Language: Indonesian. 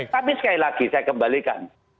tapi sekali lagi saya kembalikan